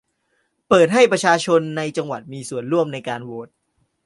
เปิดให้ประชาชนในจังหวัดมีส่วนร่วมในการโหวด